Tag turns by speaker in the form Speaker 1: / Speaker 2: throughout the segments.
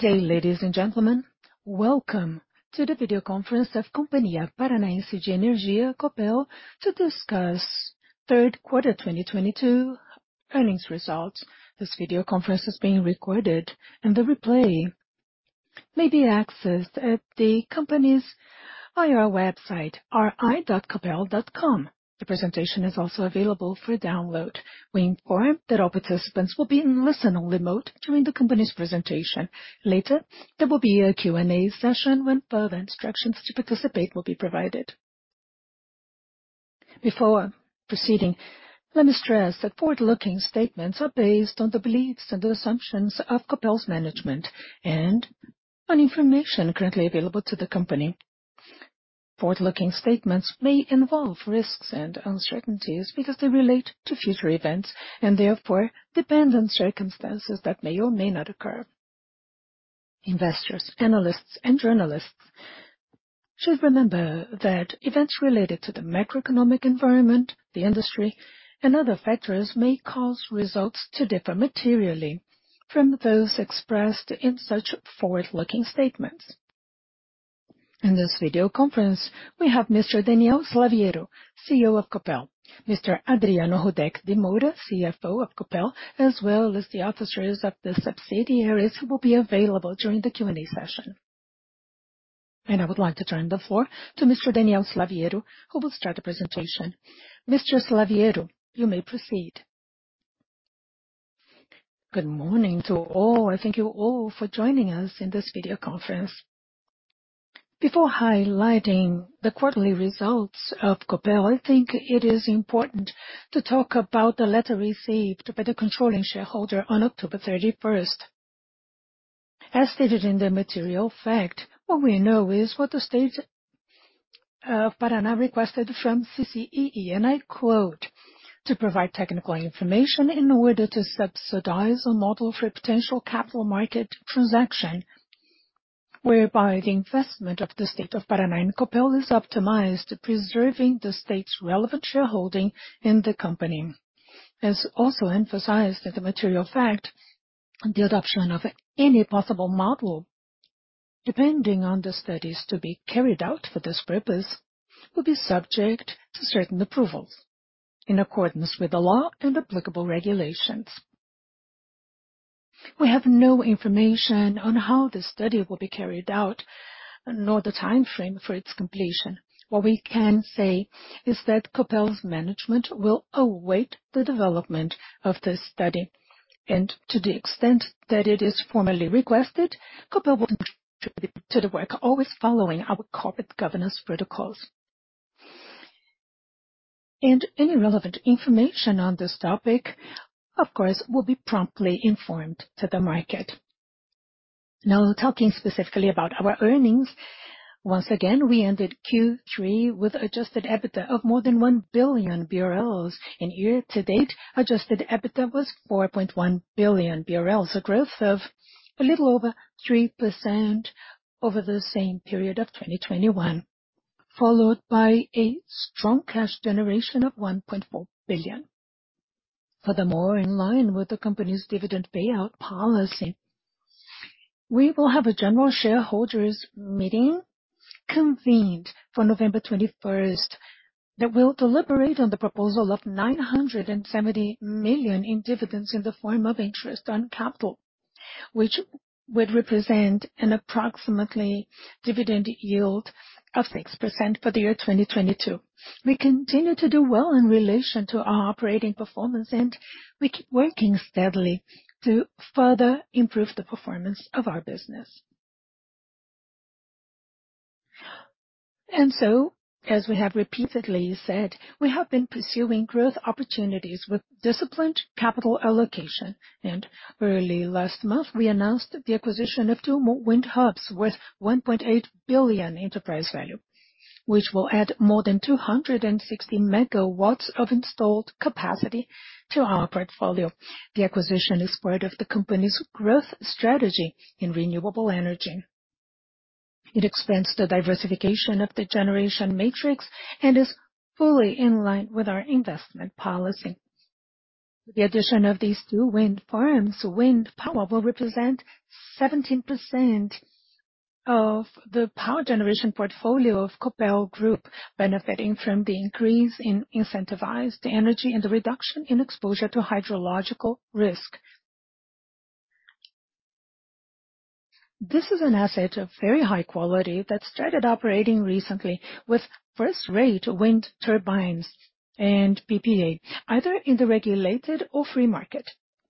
Speaker 1: Good day, ladies and gentlemen. Welcome to the video conference of Companhia Paranaense de Energia, Copel, to discuss third quarter 2022 earnings results. This video conference is being recorded and the replay may be accessed at the company's IR website, ri.copel.com. The presentation is also available for download. We inform that all participants will be in listen-only mode during the company's presentation. Later, there will be a Q&A session when further instructions to participate will be provided. Before proceeding, let me stress that forward-looking statements are based on the beliefs and assumptions of Copel's management and on information currently available to the company. Forward-looking statements may involve risks and uncertainties because they relate to future events and therefore depend on circumstances that may or may not occur.
Speaker 2: Investors, analysts, and journalists should remember that events related to the macroeconomic environment, the industry, and other factors may cause results to differ materially from those expressed in such forward-looking statements. In this video conference, we have Mr. Daniel Slaviero, CEO of Copel, Mr. Adriano Rudek de Moura, CFO of Copel, as well as the officers of the subsidiaries who will be available during the Q&A session. I would like to turn the floor to Mr. Daniel Slaviero, who will start the presentation. Mr. Slaviero, you may proceed. Good morning to all, and thank you all for joining us in this video conference. Before highlighting the quarterly results of Copel, I think it is important to talk about the letter received by the controlling shareholder on October 31.
Speaker 1: As stated in the material fact, what we know is what the State of Paraná requested from CCEE, and I quote, "To provide technical information in order to subsidize a model for potential capital market transaction, whereby the investment of the State of Paraná in Copel is optimized, preserving the State's relevant shareholding in the Company." As also emphasized in the material fact, the adoption of any possible model, depending on the studies to be carried out for this purpose, will be subject to certain approvals in accordance with the law and applicable regulations. We have no information on how the study will be carried out, nor the timeframe for its completion. What we can say is that Copel's management will await the development of this study. To the extent that it is formally requested, Copel will contribute to the work, always following our corporate governance protocols. Any relevant information on this topic, of course, will be promptly informed to the market. Now talking specifically about our earnings, once again, we ended Q3 with adjusted EBITDA of more than 1 billion BRL. Year to date, adjusted EBITDA was 4.1 billion BRL, so growth of a little over 3% over the same period of 2021, followed by a strong cash generation of 1.4 billion. Furthermore, in line with the company's dividend payout policy, we will have a general shareholders meeting convened for November 21st that will deliberate on the proposal of 970 million in dividends in the form of interest on capital, which would represent an approximate dividend yield of 6% for the year 2022. We continue to do well in relation to our operating performance, and we keep working steadily to further improve the performance of our business. As we have repeatedly said, we have been pursuing growth opportunities with disciplined capital allocation. Early last month, we announced the acquisition of two more wind hubs worth 1.8 billion enterprise value, which will add more than 260 megawatts of installed capacity to our portfolio. The acquisition is part of the company's growth strategy in renewable energy. It expands the diversification of the generation matrix and is fully in line with our investment policy. With the addition of these two wind farms, wind power will represent 17% of the power generation portfolio of Copel Group, benefiting from the increase in incentivized energy and the reduction in exposure to hydrological risk. This is an asset of very high quality that started operating recently with first-rate wind turbines and PPA, either in the regulated or free market,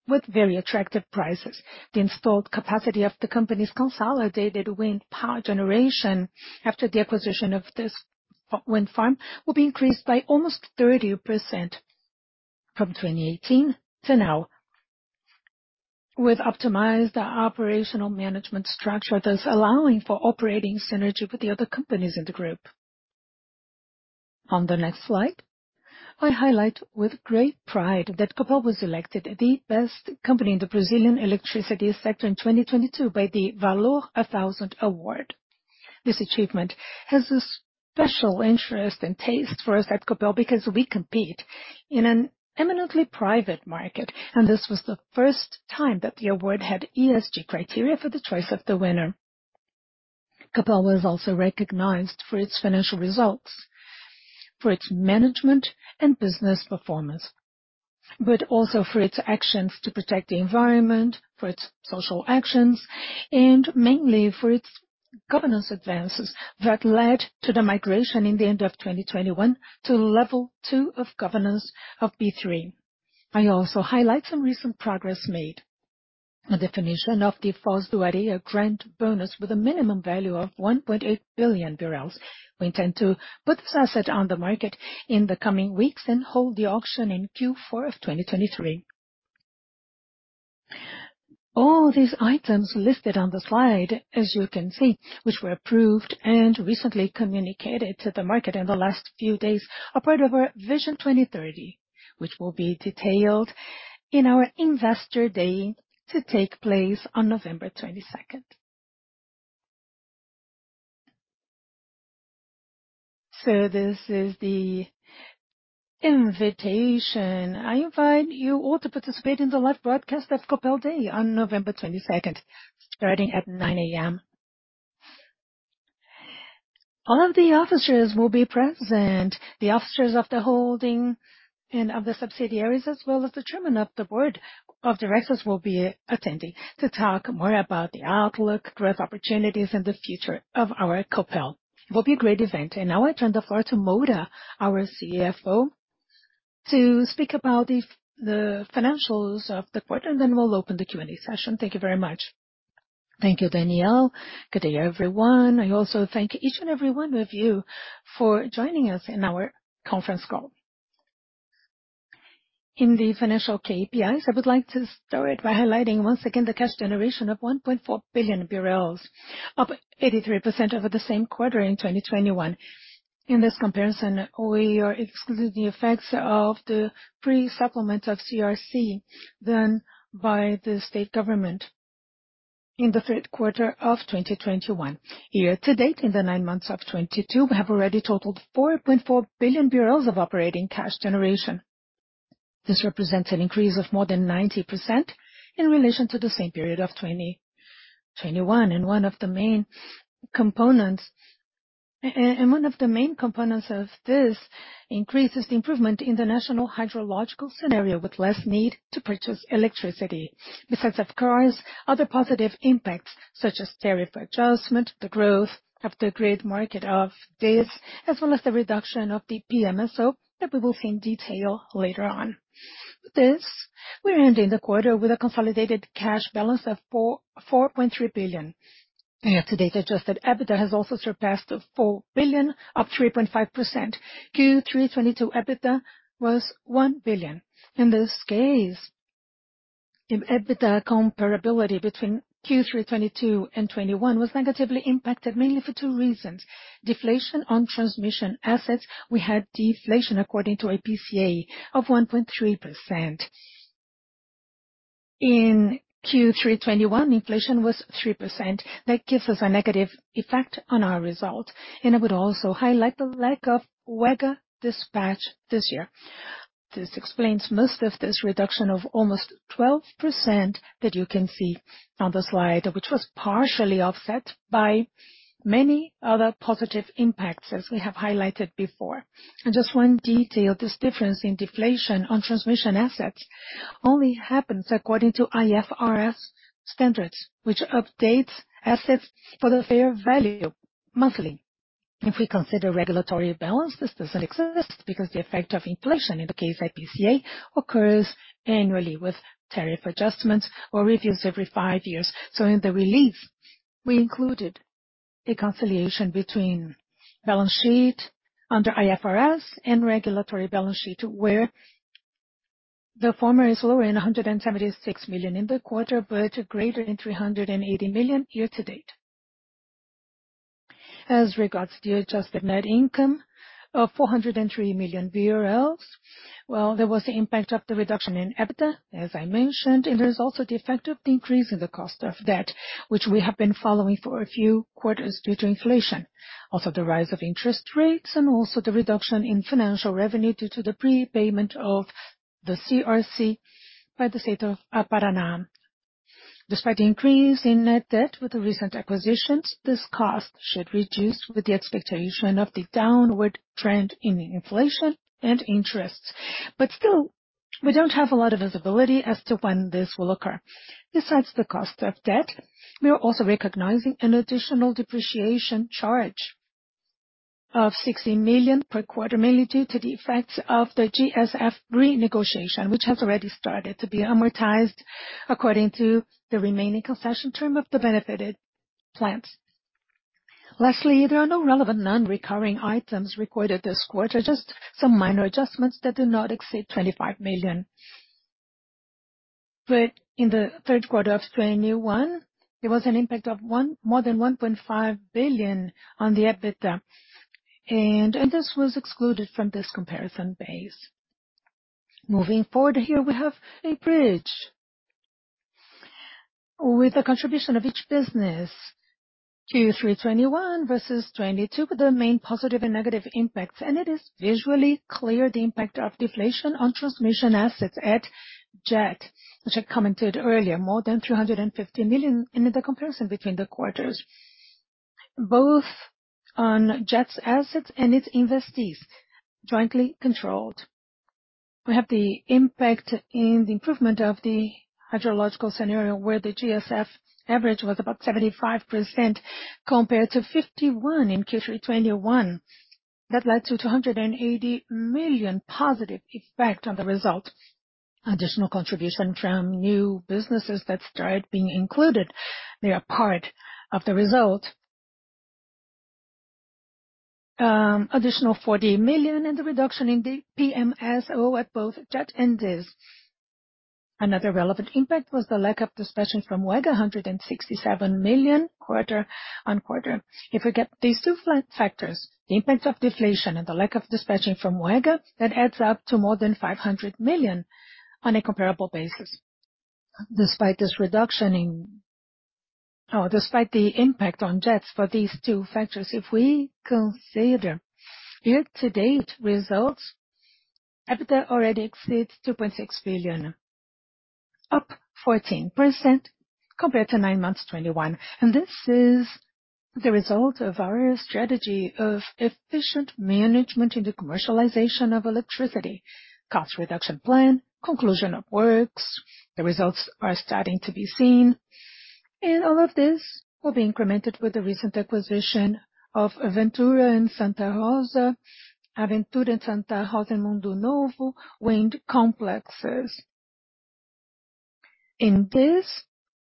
Speaker 1: with very attractive prices. The installed capacity of the company's consolidated wind power generation after the acquisition of this wind farm will be increased by almost 30% from 2018 to now, with optimized operational management structure, thus allowing for operating synergy with the other companies in the group. On the next slide, I highlight with great pride that Copel was elected the best company in the Brazilian electricity sector in 2022 by the Valor 1000 Award. This achievement has a special interest and taste for us at Copel because we compete in an eminently private market, and this was the first time that the award had ESG criteria for the choice of the winner. Copel was also recognized for its financial results, for its management and business performance, also for its actions to protect the environment, for its social actions, and mainly for its governance advances that led to the migration in the end of 2021 to level two of governance of B3. I also highlight some recent progress made. The definition of the Foz do Areia grant bonus with a minimum value of 1.8 billion BRL. We intend to put this asset on the market in the coming weeks and hold the auction in Q4 of 2023. All these items listed on the slide, as you can see, which were approved and recently communicated to the market in the last few days, are part of our Vision 2030, which will be detailed in our investor day to take place on November 22. This is the invitation.
Speaker 3: I invite you all to participate in the live broadcast at Copel Day on November twenty-second, starting at 9:00 A.M. All of the officers will be present. The officers of the holding and of the subsidiaries, as well as the chairman of the board of directors, will be attending to talk more about the outlook, growth opportunities, and the future of our Copel. It will be a great event. Now I turn the floor to Moura, our CFO, to speak about the financials of the quarter, and then we'll open the Q&A session. Thank you very much. Thank you, Daniel. Good day, everyone. I also thank each and every one of you for joining us in our conference call.
Speaker 1: In the financial KPIs, I would like to start by highlighting once again the cash generation of 1.4 billion BRL, up 83% over the same quarter in 2021. In this comparison, we are excluding the effects of the pre-supplement of CRC done by the state government in the third quarter of 2021. Year to date, in the nine months of 2022, we have already totaled 4.4 billion BRL of operating cash generation. This represents an increase of more than 90% in relation to the same period of 2021. One of the main components of this increase is the improvement in the national hydrological scenario with less need to purchase electricity. Besides, of course, other positive impacts such as tariff adjustment, the growth of the grid market of this, as well as the reduction of the PMSO that we will see in detail later on. With this, we're ending the quarter with a consolidated cash balance of 4.3 billion. Year-to-date, adjusted EBITDA has also surpassed 4 billion, up 3.5%. Q3 2022 EBITDA was 1 billion. In this case, EBITDA comparability between Q3 2022 and 2021 was negatively impacted mainly for two reasons. Deflation on transmission assets. We had deflation according to IPCA of 1.3%. In Q3 2021, inflation was 3%. That gives us a negative effect on our result. I would also highlight the lack of UEGA dispatch this year. This explains most of this reduction of almost 12% that you can see on the slide, which was partially offset by many other positive impacts, as we have highlighted before. Just one detail, this difference in deflation on transmission assets only happens according to IFRS standards, which updates assets for the fair value monthly. If we consider regulatory balance, this doesn't exist because the effect of inflation in the case IPCA occurs annually with tariff adjustments or reviews every five years. In the relief, we included a reconciliation between balance sheet under IFRS and regulatory balance sheet, where the former is lower by 176 million in the quarter, greater by 380 million year to date. As regards the adjusted net income of BRL 403 million. Well, there was the impact of the reduction in EBITDA, as I mentioned, and there's also the effect of the increase in the cost of debt, which we have been following for a few quarters due to inflation. Also the rise of interest rates and also the reduction in financial revenue due to the prepayment of the CRC by the State of Paraná. Despite the increase in net debt with the recent acquisitions, this cost should reduce with the expectation of the downward trend in inflation and interest. Still, we don't have a lot of visibility as to when this will occur. Besides the cost of debt, we are also recognizing an additional depreciation charge of 16 million per quarter, mainly due to the effects of the GSF renegotiation, which has already started to be amortized according to the remaining concession term of the benefited plants. Lastly, there are no relevant non-recurring items recorded this quarter, just some minor adjustments that do not exceed 25 million. In the third quarter of 2021, there was an impact of more than 1.5 billion on the EBITDA, and this was excluded from this comparison base. Moving forward, here we have a bridge with the contribution of each business, Q3 2021 versus 2022, the main positive and negative impacts. It is visually clear the impact of deflation on transmission assets at Copel GeT, which I commented earlier, more than 350 million in the comparison between the quarters. Both on Copel GeT's assets and its investees jointly controlled. We have the impact in the improvement of the hydrological scenario, where the GSF average was about 75% compared to 51% in Q3 2021. That led to 280 million positive effect on the result. Additional contribution from new businesses that started being included, they are part of the result. Additional 40 million in the reduction in the PMSO at both GeT and DIS. Another relevant impact was the lack of dispatching from UEGA, 167 million quarter on quarter. If we get these two factors, the impact of deflation and the lack of dispatching from UEGA, that adds up to more than 500 million on a comparable basis. Despite the impact on GeT for these two factors, if we consider year-to-date results, EBITDA already exceeds 2.6 billion, up 14% compared to nine months 2021. This is the result of our strategy of efficient management in the commercialization of electricity, cost reduction plan, conclusion of works. The results are starting to be seen. All of this will be incremented with the recent acquisition of Aventura and Santa Rosa & Mundo Novo wind complexes.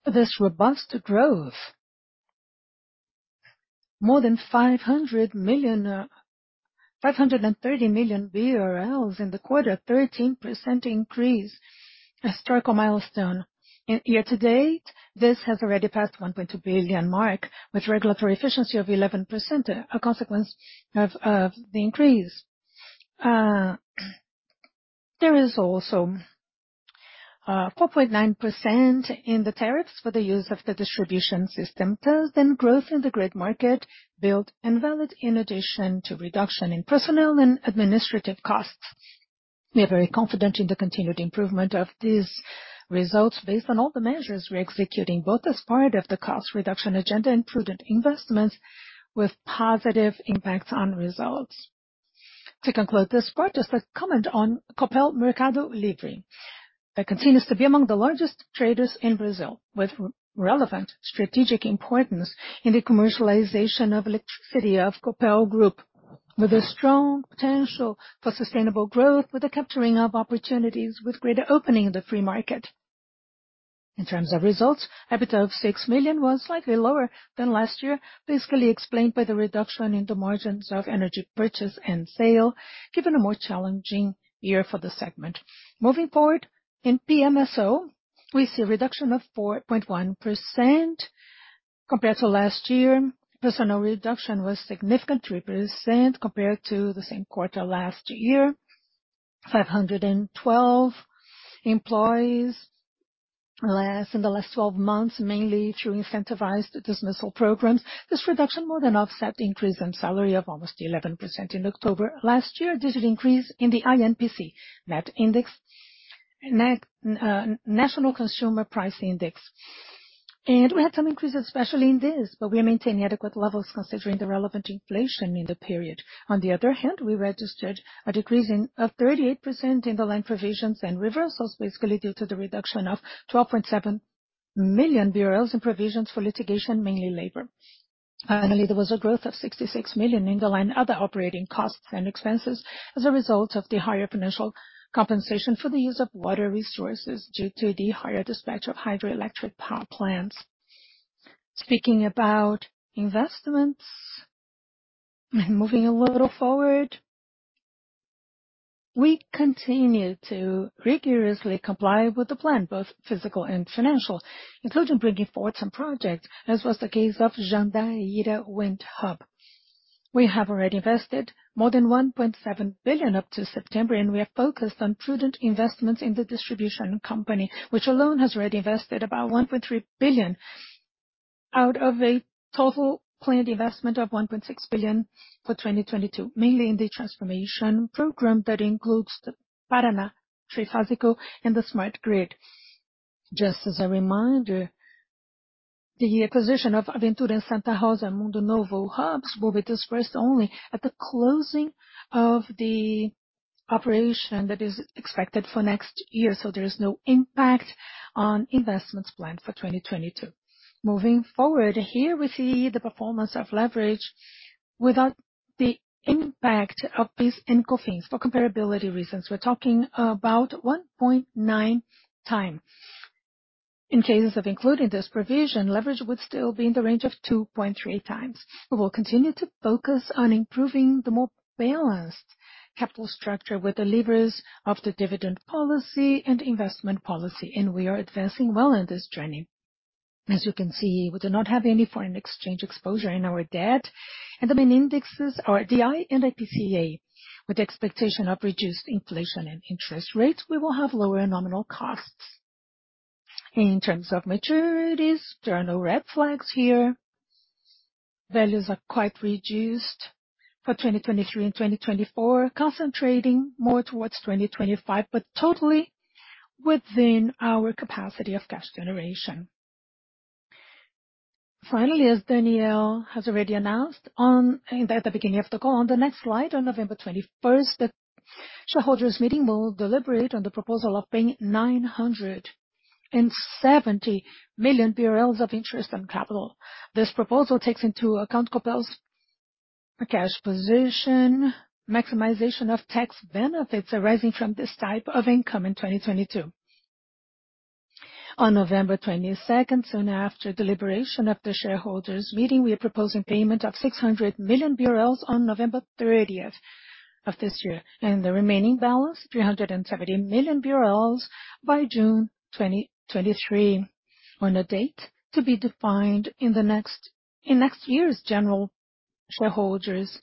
Speaker 1: This robust growth, more than 500 million, 530 million in the quarter, 13% increase, a historical milestone. Year-to-date, this has already passed the 1.2 billion mark with regulatory efficiency of 11%, a consequence of the increase. There is also 4.9% in the tariffs for the use of the distribution system. Growth in the grid market build and valid in addition to reduction in personnel and administrative costs. We are very confident in the continued improvement of these results based on all the measures we're executing, both as part of the cost reduction agenda and prudent investments with positive impacts on results. To conclude this part, just a comment on Copel Mercado Livre. That continues to be among the largest traders in Brazil, with relevant strategic importance in the commercialization of electricity of Copel Group, with a strong potential for sustainable growth, with the capturing of opportunities, with greater opening in the free market. In terms of results, EBITDA of 6 million was slightly lower than last year, basically explained by the reduction in the margins of energy purchase and sale, given a more challenging year for the segment. Moving forward, in PMSO, we see a reduction of 4.1% compared to last year. Personnel reduction was significant, 3% compared to the same quarter last year. 512 employees in the last twelve months, mainly through incentivized dismissal programs. This reduction more than offset the increase in salary of almost 11% in October. Last year, there's an increase in the INPC, national consumer price index. We had some increases, especially in this, we are maintaining adequate levels considering the relevant inflation in the period. On the other hand, we registered a decrease of 38% in the line provisions and reversals, basically due to the reduction of 12.7 million BRL in provisions for litigation, mainly labor. Finally, there was a growth of 66 million in the line other operating costs and expenses as a result of the higher financial compensation for the use of water resources due to the higher dispatch of hydroelectric power plants. Speaking about investments and moving a little forward, we continue to rigorously comply with the plan, both physical and financial, including bringing forward some projects, as was the case of Jandaíra Wind Hub. We have already invested more than 1.7 billion up to September, and we are focused on prudent investments in the distribution company, which alone has already invested about 1.3 billion out of a total planned investment of 1.6 billion for 2022, mainly in the transformation program that includes the Paraná Trifásico and the Smart Grid. Just as a reminder, the acquisition of Aventura and Santa Rosa & Mundo Novo hubs will be dispersed only at the closing of the operation that is expected for next year. There is no impact on investments planned for 2022. Moving forward, here we see the performance of leverage without the impact of these encumbrances for comparability reasons. We're talking about 1.9 times. In cases of including this provision, leverage would still be in the range of 2.3 times. We will continue to focus on improving the more balanced capital structure with the levers of the dividend policy and investment policy, and we are advancing well on this journey. As you can see, we do not have any foreign exchange exposure in our debt. The main indexes are DI and IPCA. With the expectation of reduced inflation and interest rates, we will have lower nominal costs. In terms of maturities, there are no red flags here. Values are quite reduced for 2023 and 2024, concentrating more towards 2025, totally within our capacity of cash generation. Finally, as Daniel has already announced at the beginning of the call, on the next slide, on November twenty-first, the shareholders meeting will deliberate on the proposal of paying 970 million BRL of interest and capital. This proposal takes into account Copel's cash position, maximization of tax benefits arising from this type of income in 2022. On November 22, soon after deliberation of the shareholders meeting, we are proposing payment of 600 million BRL on November 30 of this year, and the remaining balance, 370 million BRL, by June 2023, on a date to be defined in the next year's general shareholders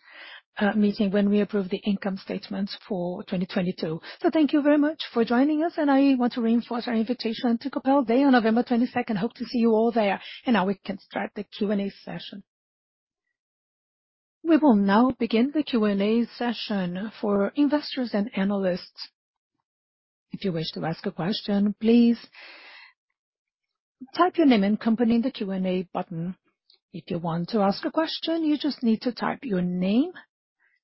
Speaker 1: meeting when we approve the income statements for 2022. Thank you very much for joining us, and I want to reinforce our invitation to Copel Day on November 22. Hope to see you all there. Now we can start the Q&A session. We will now begin the Q&A session for investors and analysts. If you wish to ask a question, please type your name and company in the Q&A button. If you want to ask a question, you just need to type your name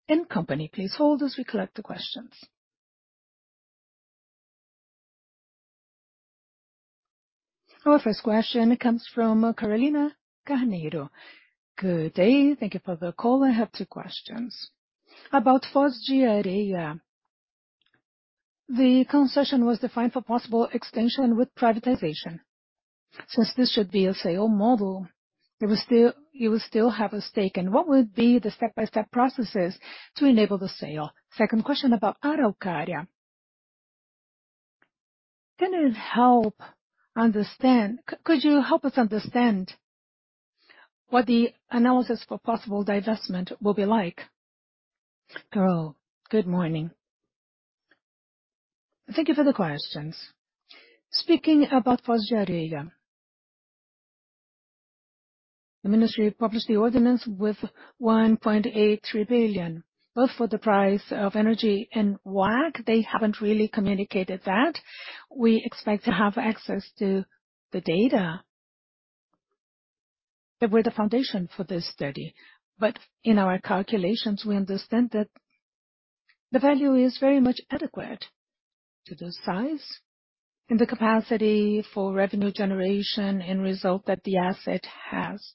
Speaker 1: and company, please hold as we collect the questions.
Speaker 2: Our first question comes from Carolina Carneiro. Good day. Thank you for the call. I have two questions. About Foz do Areia. The concession was defined for possible extension with privatization. Since this should be a sale model, you will still have a stake in. What would be the step-by-step processes to enable the sale? Second question about Araucária. Could you help us understand what the analysis for possible divestment will be like? Carol, good morning. Thank you for the questions. Speaking about Foz do Areia. The ministry published the ordinance with 1.83 billion, both for the price of energy and WACC. They haven't really communicated that. We expect to have access to the data that were the foundation for this study.
Speaker 1: In our calculations, we understand that the value is very much adequate to the size and the capacity for revenue generation and result that the asset has.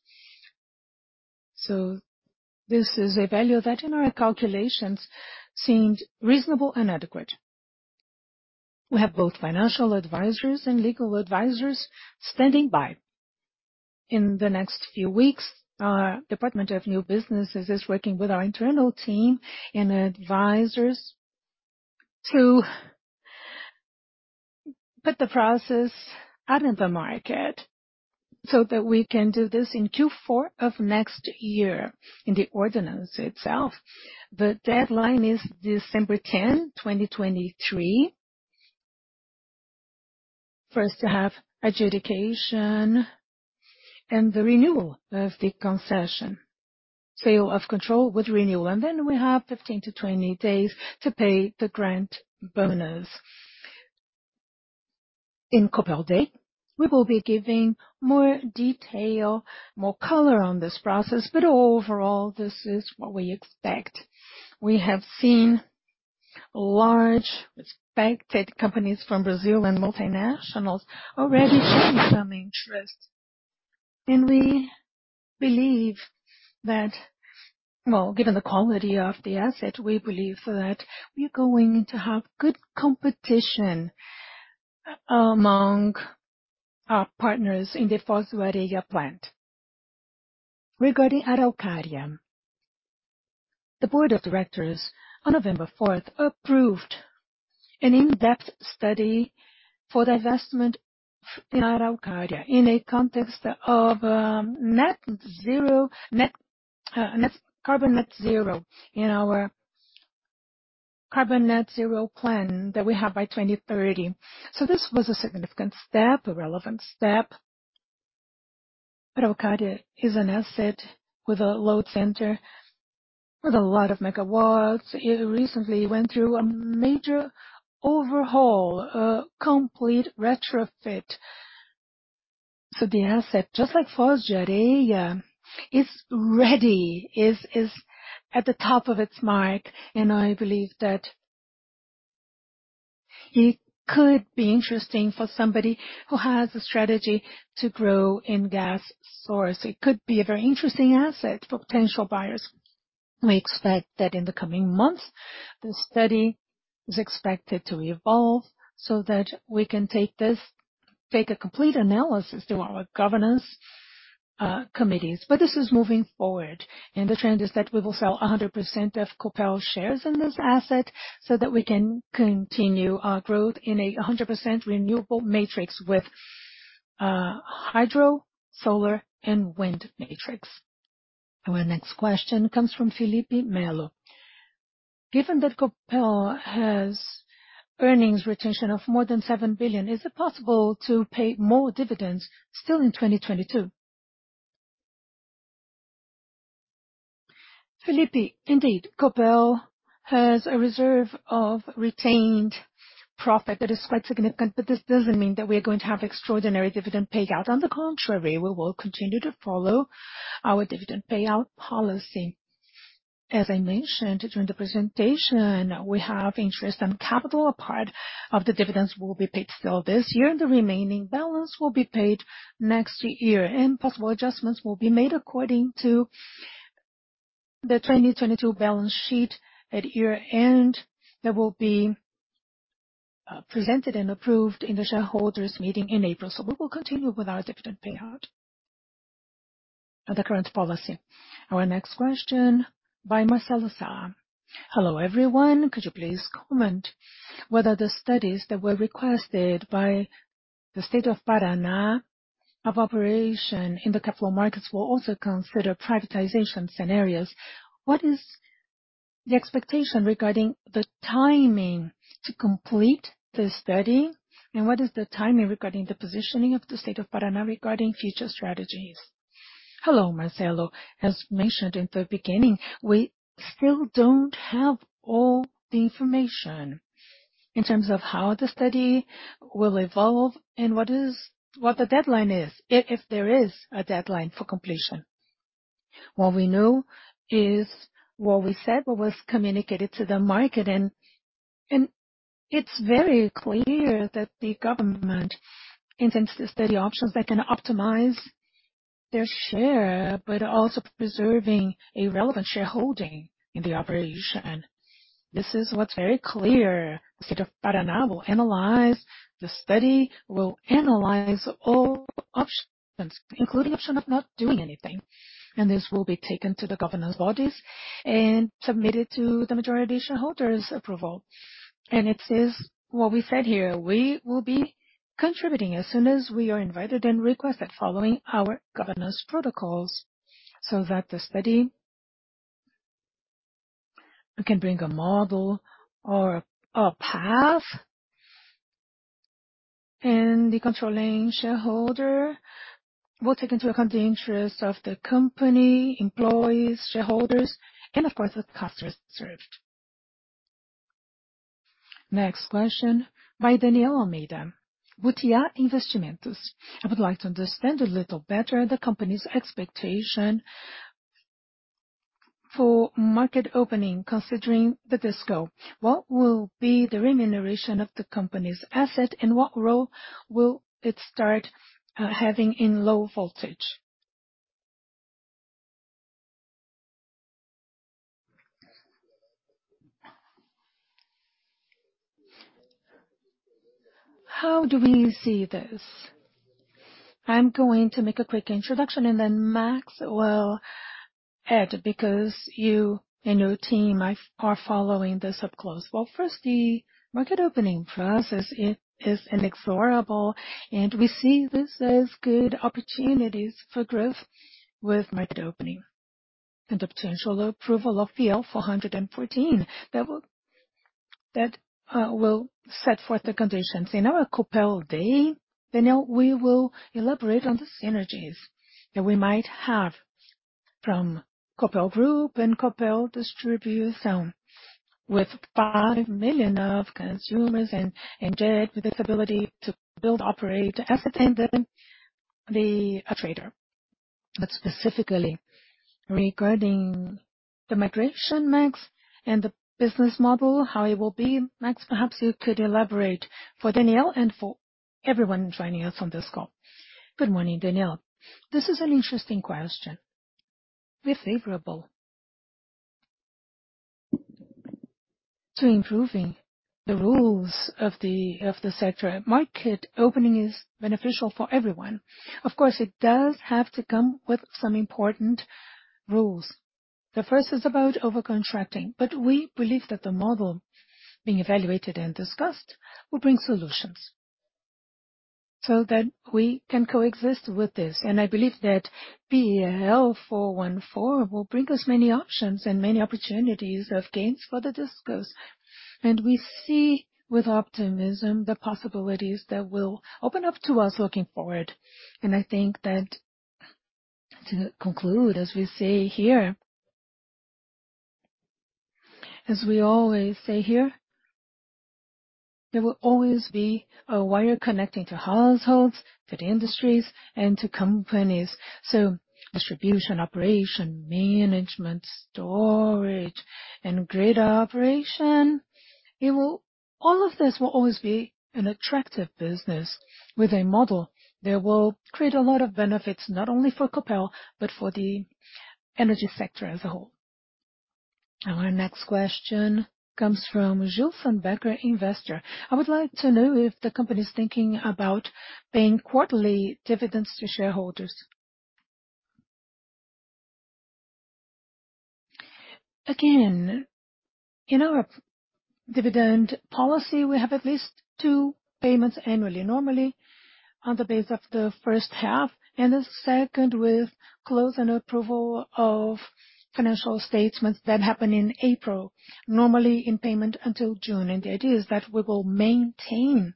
Speaker 1: This is a value that, in our calculations, seemed reasonable and adequate. We have both financial advisors and legal advisors standing by. In the next few weeks, our Department of New Businesses is working with our internal team and advisors to put the process out in the market so that we can do this in Q4 of next year in the auction itself. The deadline is December 10, 2023, for us to have adjudication and the renewal of the concession, sale of control with renewal. Then we have 15-20 days to pay the grant bonus. In Copel Day, we will be giving more detail, more color on this process, overall, this is what we expect. We have seen large respected companies from Brazil and multinationals already showing some interest. We believe that, well, given the quality of the asset, we believe that we're going to have good competition among our partners in the Foz do Areia plant. Regarding Araucária, the board of directors on November fourth approved an in-depth study for divestment in Araucária in a context of net zero carbon net zero in our carbon net zero plan that we have by 2030. This was a significant step, a relevant step. Araucária is an asset with a load center, with a lot of megawatts. It recently went through a major overhaul, a complete retrofit. The asset, just like Foz do Areia, is ready. It is at the top of its mark, and I believe that it could be interesting for somebody who has a strategy to grow in gas source. It could be a very interesting asset for potential buyers. We expect that in the coming months, the study is expected to evolve so that we can take a complete analysis through our governance committees. This is moving forward, and the trend is that we will sell 100% of Copel shares in this asset so that we can continue our growth in a 100% renewable matrix with hydro, solar, and wind matrix. Our next question comes from Philippe Melo. Given that Copel has earnings retention of more than 7 billion, is it possible to pay more dividends still in 2022?
Speaker 2: Philippe, indeed, Copel has a reserve of retained profit that is quite significant, this doesn't mean that we are going to have extraordinary dividend payout. On the contrary, we will continue to follow our dividend payout policy. As I mentioned during the presentation, we have interest on capital. A part of the dividends will be paid still this year, and the remaining balance will be paid next year, and possible adjustments will be made according to the 2022 balance sheet at year-end. That will be presented and approved in the shareholders' meeting in April. We will continue with our dividend payout of the current policy. Our next question by Marcelo Sá. Hello, everyone. Could you please comment whether the studies that were requested by the State of Paraná of operation in the capital markets will also consider privatization scenarios. What is the expectation regarding the timing to complete the study, and what is the timing regarding the positioning of the State of Paraná regarding future strategies? Hello, Marcelo Sá. As mentioned in the beginning, we still don't have all the information in terms of how the study will evolve and what the deadline is, if there is a deadline for completion. What we know is what we said, what was communicated to the market. It's very clear that the government intends to study options that can optimize their share, also preserving a relevant shareholding in the operation. This is what's very clear. The State of Paraná will analyze. The study will analyze all options, including option of not doing anything, and this will be taken to the governance bodies and submitted to the majority shareholders approval.
Speaker 1: It is what we said here, we will be contributing as soon as we are invited and requested following our governance protocols, so that the study can bring a model or a path, and the controlling shareholder will take into account the interest of the company, employees, shareholders, and of course, the customers served. Next question by Daniel Almeida, Gutiá Investimentos. I would like to understand a little better the company's expectation for market opening considering the DISCO. What will be the remuneration of the company's asset, and what role will it start having in low voltage? How do we see this? I'm going to make a quick introduction, and then Max will add, because you and your team are following this up close.
Speaker 4: Well, first, the market opening process is inexorable, and we see this as good opportunities for growth with market opening and the potential approval of PL 414/2021. That will set forth the conditions. In our Copel Day, Daniel, we will elaborate on the synergies that we might have from Copel Group and Copel Distribution. With five million consumers and with its ability to build, operate asset and then the trader. Specifically regarding the migration, Max, and the business model, how it will be. Max, perhaps you could elaborate for Daniel and for everyone joining us on this call. Good morning, Daniel. This is an interesting question. We're favorable to improving the rules of the sector. Market opening is beneficial for everyone. Of course, it does have to come with some important rules.
Speaker 1: The first is about over-contracting, we believe that the model being evaluated and discussed will bring solutions so that we can coexist with this. I believe that PL 414/2021 will bring us many options and many opportunities of gains for the discos. We see with optimism the possibilities that will open up to us looking forward. I think that to conclude, as we say here, as we always say here, there will always be a wire connecting to households, to the industries and to companies. Distribution, operation, management, storage, and grid operation. All of this will always be an attractive business with a model that will create a lot of benefits, not only for Copel, for the energy sector as a whole. Our next question comes from Jill Sandberger, investor.
Speaker 2: I would like to know if the company is thinking about paying quarterly dividends to shareholders. Again, in our dividend policy, we have at least two payments annually, normally on the basis of the first half and the second with closing and approval of financial statements that happen in April, normally in payment until June. The idea is that we will maintain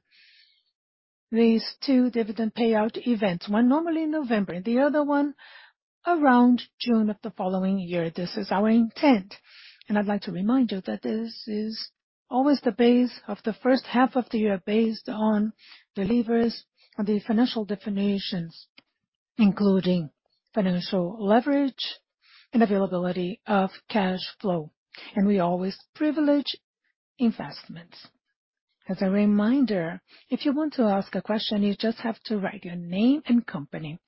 Speaker 2: these two dividend payout events. One normally in November, the other one around June of the following year. This is our intent. I'd like to remind you that this is always the basis of the first half of the year, based on the level of financial indebtedness, including financial leverage and availability of cash flow. We always privilege investments. As a reminder, if you want to ask a question, you just have to write your name and company.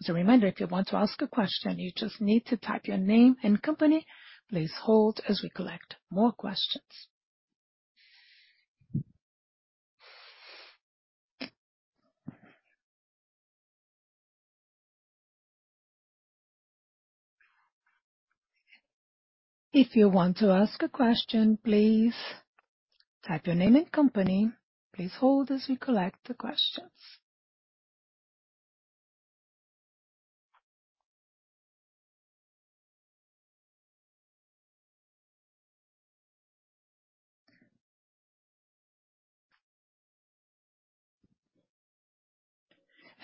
Speaker 1: As a reminder, if you want to ask a question, you just need to type your name and company. Please hold as we collect more questions. If you want to ask a question, please type your name and company. Please hold as we collect the questions.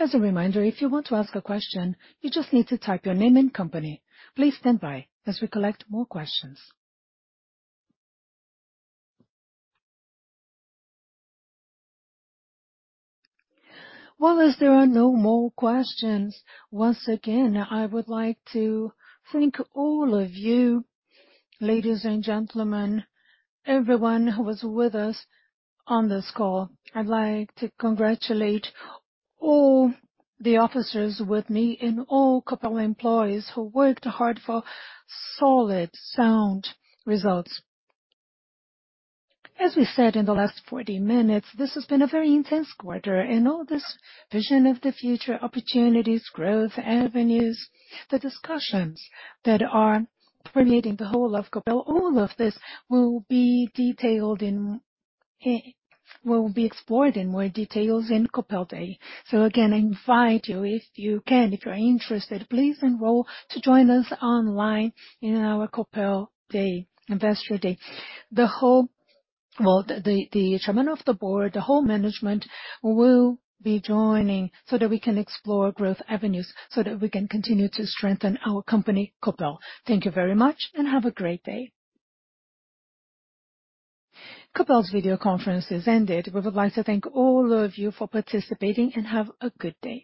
Speaker 1: As a reminder, if you want to ask a question, you just need to type your name and company. Please stand by as we collect more questions. Well, as there are no more questions, once again, I would like to thank all of you, ladies and gentlemen, everyone who was with us on this call. I'd like to congratulate all the officers with me and all Copel employees who worked hard for solid, sound results. As we said in the last 40 minutes, this has been a very intense quarter. All this vision of the future opportunities, growth, avenues, the discussions that are permeating the whole of Copel, all of this will be explored in more details in Copel Day. Again, I invite you if you can. If you're interested, please enroll to join us online in our Copel Day, Investor Day. Well, the chairman of the board, the whole management will be joining so that we can explore growth avenues, so that we can continue to strengthen our company, Copel. Thank you very much and have a great day. Copel's video conference has ended. We would like to thank all of you for participating, and have a good day.